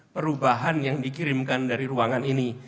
perubahan yang dikirimkan dari ruangan ini